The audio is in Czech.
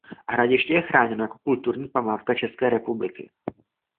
Hradiště je chráněno jako kulturní památka České republiky.